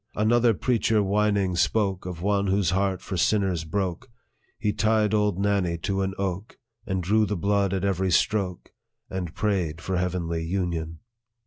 " Another preacher whining spoke Of One whose heart for sinners broke : LIFE OF FREDERICK DOUGLASS. 125 He tied old Nanny to an oak, And drew the blood at every stroke, And prayed for heavenly union.